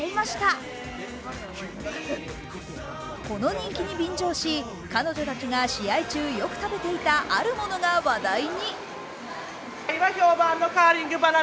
この人気に便乗し、彼女たちが試合中、よく食べていたあるものが話題に。